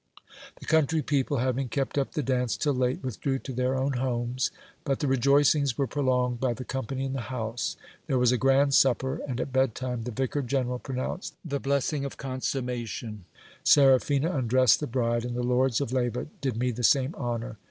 The country people, having kept up the dance till late, withdrew to their own homes ; but the rejoicings were prolonged by the company in the house. There was a grand supper, and at bed time the vicar general pronounced the THE HONEY MOON. 3^3 blessing of consummation. Seraphina undressed the bride, and the lords of Leyva did me the same honour.